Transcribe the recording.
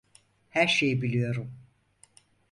Her şeyi biliyorum.